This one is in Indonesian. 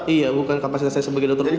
iya bukan kapasitas saya sebagai dokter umum